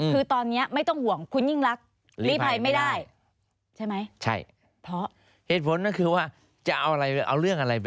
คือตอนนี้ไม่ต้องห่วงคุณยิ่งรัก